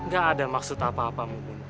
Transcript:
gak ada maksud apa apa mungkin